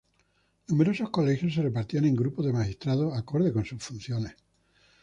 Numerosos colegios se repartían en grupos de magistrados acorde con sus funciones.